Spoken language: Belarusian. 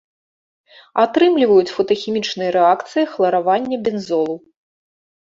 Атрымліваюць фотахімічнай рэакцыяй хларавання бензолу.